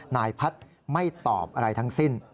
นายพัฒน์ไม่ตอบอะไรทั้งสิ้น